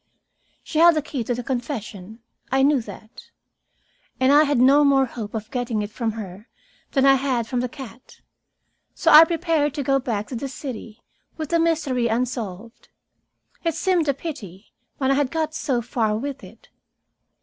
She held the key to the confession. I knew that. And I had no more hope of getting it from her than I had from the cat. So I prepared to go back to the city, with the mystery unsolved. It seemed a pity, when I had got so far with it.